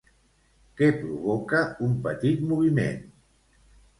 Què provoca un petit moviment?